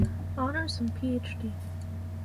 Honors and PhD.